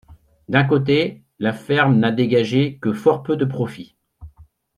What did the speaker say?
D'un côté, la ferme n'a dégagé que fort peu de profits.